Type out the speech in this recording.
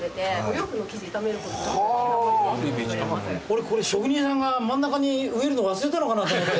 俺これ職人さんが真ん中に植えるの忘れたのかなと思って。